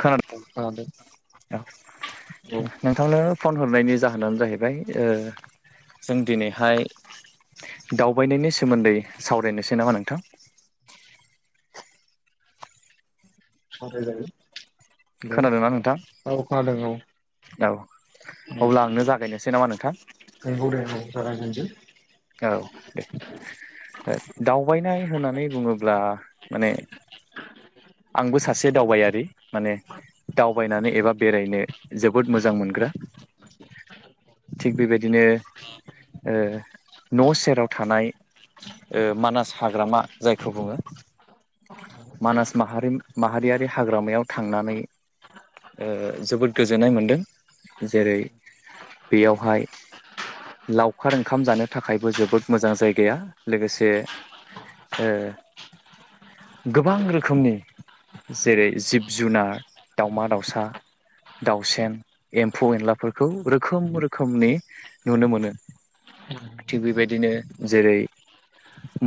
खोनादों औ औ ओ नोंथांनो फन हरनायनि ज जाहोनानो जाहैबाय ओ जों दिनैहाय दावबायनायनि सोमोन्दै सावरायनोसै नामा नोंथां? सावरायजायो दे खोनादोंना नोंथां औ खोनादों औ औ उम अब्ला आंनो जागायनोसै नामा नोंथां [unintelligible] नोंगौ नोंगौ जागायजेनसै औ दे ओ दावबायनाय होनानै बुङोब्ला माने आंबो सासे दावबायारि माने दावबायनानै एबा बेरायनो जोबोद मोजां मोनग्रा। थिग बेबायदिनो ओ न' सेराव थानाय ओ मानास हाग्रामा जायखौ बुङो। मानास माहारिम माहारियारि हाग्रामायाव थांनानै ओ जोबोद गोजोननाय मोनदों जेरै बेयावहाय लावखार ओंखाम जानो थाखायबो जोबोद मोजां जायगाया लोगोसे ओ गोबां रोखोमनि जेरै जिब जुनार दावमा दाउसा दाउसेन एम्फौ एनलाफोरखौ रोखोम रोखोमनि नुनो मोनो। थिग बेबायदिनो जेरै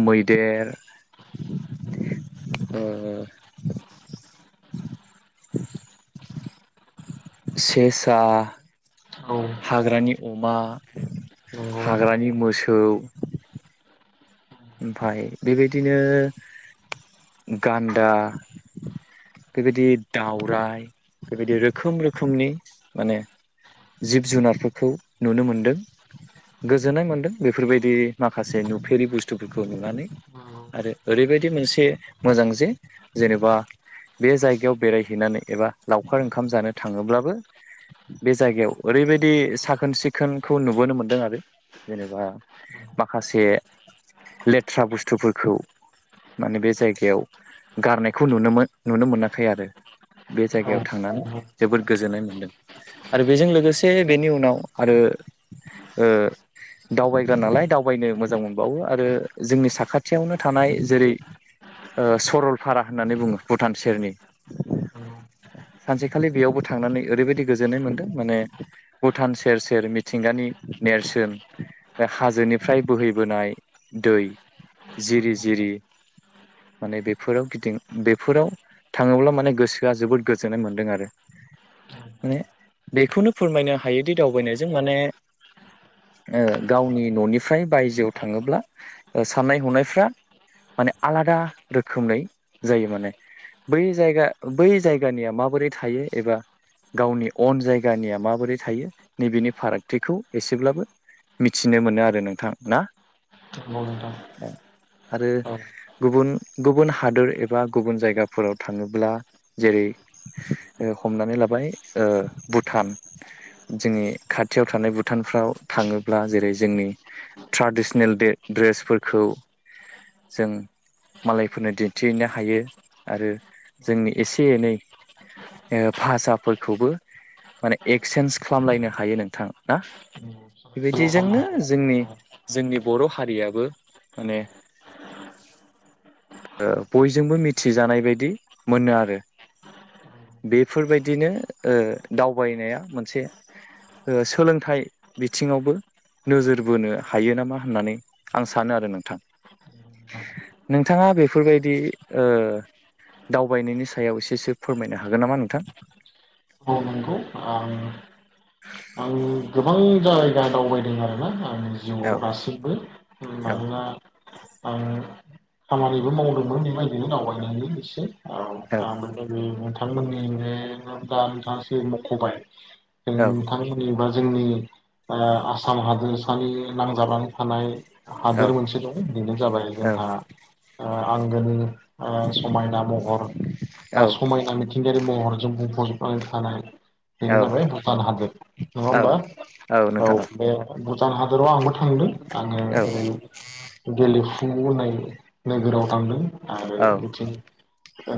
मैदेर [inaudible] ओ सेसा औ हाग्रानि अमा नंगौ हाग्रानि मोसौ ओमफाय बेबायदिनो गान्दा बेबायदि दावराय बेबायदि रोखोम रोखोमनि माने जिब जुनारफोरखौ नुनो मोनदों‌। गोजोन्नाय मोन्दों बेफोरबायदि माखासे नुफेरि बुस्थुफोरखौ नुनानै। आरो ओरैबायदि मोनसे मोजां जे जेनेबा बे जायगायाव बेरायहैनानै एबा लावखार ओंखाम जानो थाङोब्लाबो बे जायगायाव ओरैबायदि साखोन सिखोनखौ नुबोनो मोनदों आरो जेनेबा माखासे लेथ्रा बुस्थुफोरखौ माने बे जायगायाव गारनायखौ नुनोमोन नुनो मोनाखै आरो बे औ जायगायाव थांनानै नंगौ जोबोद गोजोननाय मोनदों आरो बेजों लोगोसे बेनि उनाव आरो ओ ओ दावबायग्रा नालाय दावबायनो मोजां मोनबावो आरो ओ जोंनि साखाथियावनो थानाय जेरै ओ सरलपारा होननानै बुङो भुटान सेरनि सानसेखालि बेयावबो थांनानै ओरैबायदि गोजोननाय मोनदों माने भुटान सेर सेर मिथिंगानि नेरसोन ओ हाजोनिफ्राय बोहैबोनाय दै जिरि नंगौ जिरि माने बेफोराव गिदिं बेफोराव थाङोब्ला माने गोसोआ जोबोद गोजोननाय मोनदों आरो माने बेखौनो फोरमायनो हायोदि दावबायनायजों माने ओ गावनि ननिफ्राय बायजोआव थाङोब्ला ओ साननाय हनायफ्रा माने आलादा रोखोमै जायो माने बै जायगा बै जायगानिया माबोरै थायो एबा गावनि अन जायगानिया माबोरै थायो नैबेनि फारागथिखौ एसेब्लाबो मिथिनो मोनो आरो नोंथां ना? औ नोंथां आरो औ गुबुन गुबुन हादोर एबा गुबुन जायगाफोराव थाङोब्ला जेरै ओ हमनानै लाबाय ओ भुटान जोंनि खाथियाव थानाय भु भुटानफ्राव थाङोब्ला जेरै जोंनि ट्राडिसनेल ड्रे-ड्रसफोरखौ जों मालायफोरनो दिन्थिहोयनो हायो आरो जोंनि एसे एनै ओ भाषाफोरखौबो माने एक्सेन्ज खालामलायनो हायो नोंथां ना? सोलाय सोल' बेबायदिजोंनो खालामनो जोंनि हागोन जोंनि बर हारियाबो माने ओ बयजोंबो मिथिजानाय बायदि मोनो आरो बेफोरबायदिनो ओ दावबायनाया मोनसे ओ सोलोंथाइ बिथिङावबो नोजोर बोनो हायो नामा होननानै आं सानो आरो नोंथां नोंथाङा बेफोरबायदि ओ दावबायनायनि सायाव एसेसो फोरमायनो हागोन नामा नोंथां? औ नंगौ आं आं गोबां जायगा दावबायदों आरोना आंनि औ जिउआव दासिमबो औ मानोना आं खामानिबो मावदोंमोन बेबायदिनो दावबायनायनै एसे औ आंबो नोंथांमोननि बे दा नोंथाङा जे मखबाय। नोंथांमोननि बा जोंनि ओ आसाम हादोरसानि नांजाबानानै थानाय औ हादोर मोनसे दङ बेनो जाबाय जोंहा आंगोनि ओ समायना महर बा समायना मिथिंगायारि महर जों बुंफजोब थानाय औ बेनो जाबाय भुटान हादोर नङा औ होमबा औ बे भुटान हादराव आंबो थांदों आङो औ ओरै गेल्ली फुं होननाय नोगोराव थांदों आरो औ बिथिं ओ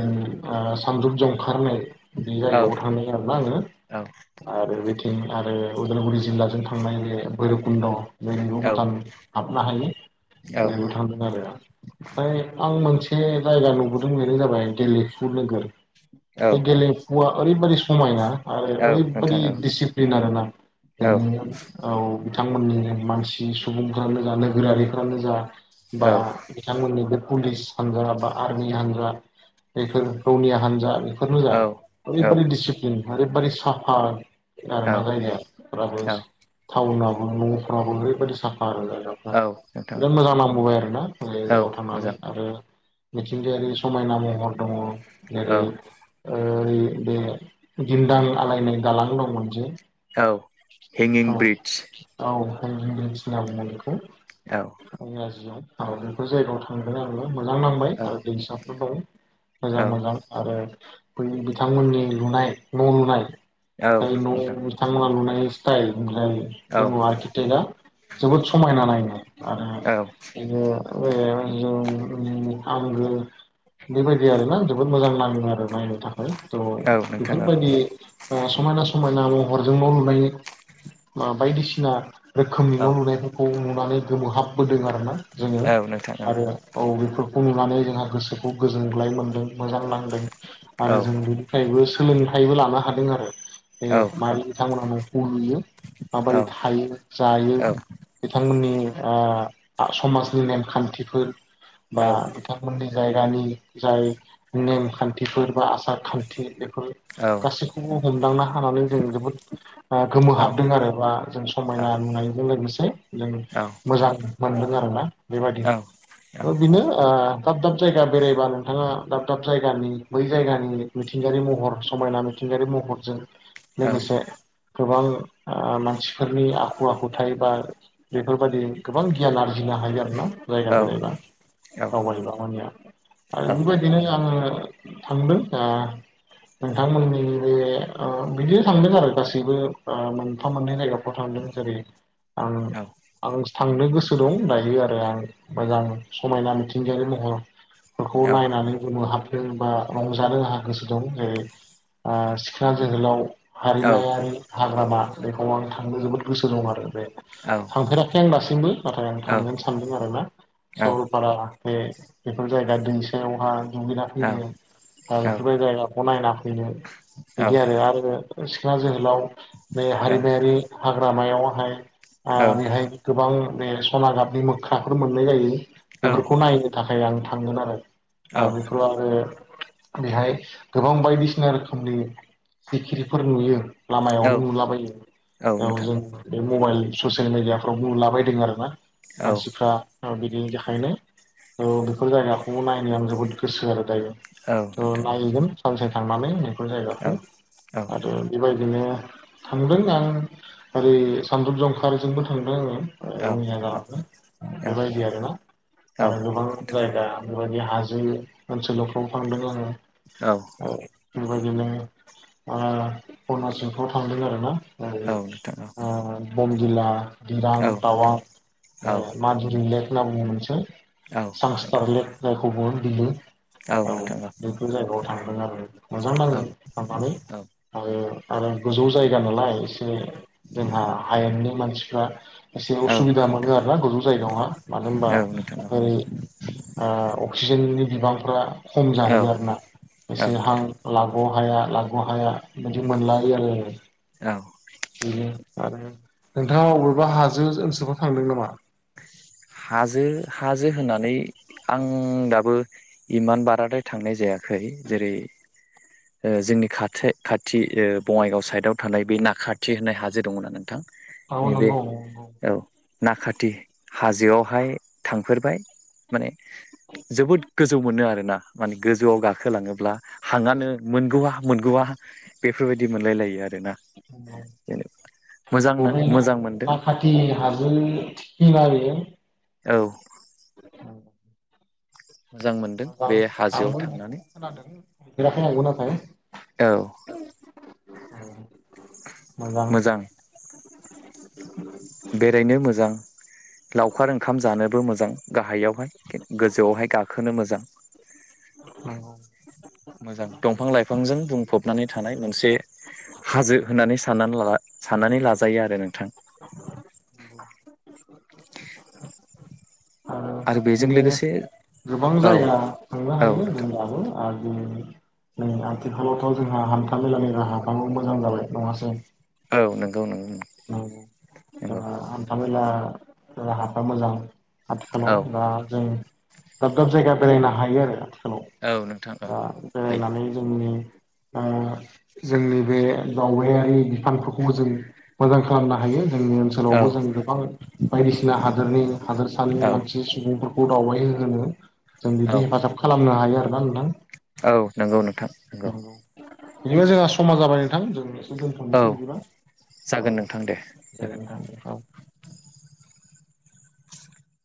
आं सानजुपजोंंखारहैननाय बे औ जायगायावबो थांदों आरोना आङो औ आरो बेथिं आरो उदालगुरि जिल्लाजों थांनाय बे भैरबकुन्द बे बिबो औ भुटान हाबनो हायो। [unintelligible] थांदों आरो ओमफाय आं मोनसे से जायगा नुबोदों बेनो जाबाय गेलेमफु नोगोर औ बे गेलेमफुआ ओरैबायदि समायना आरो औ ओरैबादि नोंथां औ दिसिप्लिन आरोना औ बेनि औ बिथांमोननि मानसि सुबुंफ्रानो जा नोगोरारिफ्रानो जा औ बा बिथांमोननि पुलिस हान्जा बा आर्मि हान्जा बेफोर रौनिया हान्जा बेफोरनो जा औ औ ओरैबादि दिसिप्लिन ओरैबादि साफा आरोना औ जायगाफोराबो टाउनाबो न'फ्राबो ओरैबायदि साफ आरो जायाफ्रा नोंथां बिराद औ मोजां नांबोबाय आरोना बै औ जायगायाव थांनानै मोजां आरो मिथिंगायारि समायना महर दङ जेरै औ ओ बे दिन्दां आलायनाय दालां दंमोन जे औ हेंगिं ब्रिज। हिंगिं ब्रिज बुङो बेखौ। औ। आरो बेफोर जायगायाव थांगोन आंङो मोजां नांबाय औ आरो दैसाफोर दं। मोजां औ मोजां आरो बै बिथांमोननि लुनाय न' लुनाय औ नोंथां औ जाय न'आव नोंथां बिथांमोना लुनाय स्ताइल औ ओमफाय [unintelligible] जोबोद समायना नायनो आरो औ बेनि [unintelligible] आंगो उम्म आंगो बेबायदि आरोना जोबोद मोजां नाङो आरो नायनो था थ' औ नोंथां औ बेफोरबायदि समायना समायना महरजों न' लुनाय बायदिसिना रोखोमनि न' नुनायफोरखौ नुनानै गोमोहाबबोदों आरो ना जोङो औ आरो औ बेफोरखौ नुनानै जोंहा गोसोखौ गोजोनग्लाय मोनदों। मोजां नांदों आरो जों औ बेनिफ्रायबो सोलोंथायाइबो लानो हादों आरो। बे मारै बिथांमोना न'खौ लुयो औ माबोरै थायो जायो। बिथांमोननि ओ समाजनि नेमखान्थिफोर बा बिथांमोननि जायगानि जाय नेम खान्थिफोर बा आसार खान्थि बेफोर औ गासैखौबो हमदांना हानानै जों जोबोद गोमोहाबदों आरो बा जों समायना नुनायजों लोगोसे जों मोजां मोनदों आरोना बेबायाददि थ' बिनो ओ दाब दाब जायगा बेरायबा नोंथाङा दाब दाब जायगानि बै जायगानि मिथिंगायारि महर समायना मिथिंगायारि महरजों लोगोसे गोबां ओ मानसिफोरनि आखु आखुथाय बा बेफोरबायदि गोबां गियान लानो हा जिनो हायो आरो ना जायगा बेरायबा दावबायबा मानिया आरो बेबायदिनो आंङो थांदों ओ नोंथांमोननि बे ओ बिदिनो थांदों आरो गासैबो मोनफा मोननै नायगाफ्राव थांदो जेरै आं आं थांनो गोसो दं दायो आरो आं मोजां समायना मिथिंगायारि महरफोरखौ नायनानै गोमो हाब दोंबा रंजानो आंहा गोसो दं जेरै ओ सिखोना जोहोलाव हारिमायारि हाग्रामा बेखौ आं थांनो जोबोद गोसो दं आरो। बे थांफेराखै आं दासिमबो नाथाय आं औ थांगोननो सानदों आरोना औ औ सरलपारा बे बेफोर जायगा दैसायावहा दुगैना औ फैनो औ [unintelligible] जायगाखौ नायना फैनो औ बिदि आरो आरो सिखोना जोहो लाव नै हारिमायारि हाग्रामायावहाय ओ बेेहाय गोबां माने सना गाबनि मोख्राफोर मोननाय जायो औ बेफोरखौ नायनो थाखाय आं थांगोन आरो। औ आ बेखौ आंङो बेहाय गोबां बायदिसिना रोखोमनि सिखिरिफोर नुयो। औ लामायावनो नुलाबायो औ बेयाव नोंथां जों बे मबाइल ससियेल मिडियाफ्राव नुला बायदों आरो ना। औ मानसिफ्रा बिदिनि थाखायनो औ बेफोर जायगाखौ नायनाय आं जोबोद गोसो आरो दायो। औ थ' नोंथां नायहगोन सानसे थांनानै बेफोर औ जायगाखौ आरो बेबायदि बिदिनो थांदों आं ओरै सानदुं जंखारिजोंबो थांदों आङो औ रङिया नोंथां जनो औ बेबायदि आरोना आरो गोबां जायगा बेफोरबायदि हाजो ओनसोलफ्राव फांदों औ बेबायदिनो अरुनााचलफ्राव थांदों आरोना आरो औ नोंथां औ नोंथां औ नोंथां औ नोंथां औ नोंथां औ आ बमदिल्ला दिरां औ टावाङा मादुरि लेक होनना बुहो मोनसे सांसथारले खौबो बिलु औ नोंथां बेफोर जायगायाव थांदों आरो मोजां नाङो थांनानै आरो आरो गोजौ जायगा नालाय एसे जोंहा हायेननि मानसिफ्रा एसे उसुबिदा मोनो आरोना गोजौ जायगायावहा मानो होनबा ओरै अक्सिजेननि बिबांफ्रा खम जाहैयो आरोना औ एसे हां नोंथां लाख' हाख' लाख' हाया बिदि मोनलायो आरो आङो औ बिनो आरो नोंथाङा अबेबा हाजो ओनसोलफ्राव थांदों नामा हाजो हाजो होननानै आं दाबो इमान बाराद्राय थांनाय जायाखै जेरै जोंनि खाथि खाथि बङाइगाव साइडआव थानाय बे नााखाथि होननाय हाजो दङोना नोंथां औ नैबे नंगौ औ नाखाथि हाजोआवहाय थांफेरबाय माने जोबोद गोजौ मोनो आरोना माने गोजौआव गाखोलाङोब्ला हाङानो मोनगौआ मोनगौआ बेफोरबायदि मोनलाय लायो आरोना औ जेन मोजां बबे मोजां मोनदों नाखाथि हाजो सिमा बे औ औ। मोजां मोनदों मोजां बे हाजोआव आंबो बेखौ थांनानै खोनादों नुफेराखै नंगौ नाथाय औ मोजां। [inaudible] बेरायनो मोजां लावखार ओंखाम जानोबो मोजां गाहायावहाय गोजौआवहाय गाखोनो मोजां नंगौ मोजां दंफां नंगौ लाइफांजों बुंफब नानै थानाय मोनसे हाजो होननानै साननानै साननानै लाजायो आरो नोंथां आरो बेजों बिदिनो लोगोसे गोबां औ जाया थांनो औ हायो नोंथां होनब्लाबो आरो नै आथिखालावथ' जोंहा हान्था मेलानि राहाफ्राबो मोजां जाबाय नङासै औ नंगौ नंगौ नंगौ [inaudible] हान्थामेला [unintelligible] मोजां आथिखालाव औ दा जों दाब दाब जायगा बेरायनो हायो आरो आथिखालाव औ नोंथां औ दा हायो बेरायनानै जोंनि ओ जोंनि बे दावबायारि बिफानफोरखौबो जों मोजां खालामनो हायो जोंनि औ ओनसोलावबो जों गोबां बायदिसिना हादोरनि हादोर सानि औ मानसि सुबुंफोरखौ दावबाय होहोनो जों औ बिदि हेफाजाब खालामनो हायो आरोना नोंथां। औ नोंगौ नोंथां नोंगौ। बेदिनो जोंहा समा जाबाय नोंथां जों औ दोनथ'नोसै बिदिबा जागोन औ नोंथां जागोन दे नोंथां औ। [unintelligible]